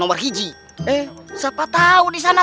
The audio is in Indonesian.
eh siapa tau disana